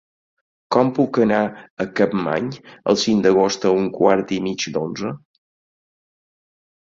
Com puc anar a Capmany el cinc d'agost a un quart i mig d'onze?